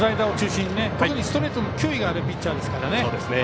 特にストレートの球威があるピッチャーですから。